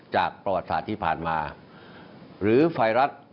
ประวัติศาสตร์ที่ผ่านมาหรือไวรัส